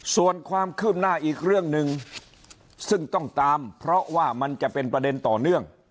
ส่วนความคืบหน้าอีกเรื่องหนึ่งซึ่งต้องตามเพราะว่ามันจะเป็นประเด็นต่อเนื่อง